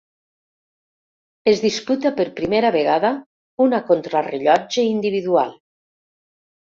Es disputa per primera vegada una contrarellotge individual.